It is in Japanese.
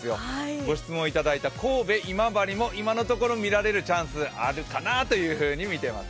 ご質問いただいた神戸、今治も今のところ見られるチャンスがあるかなというところです。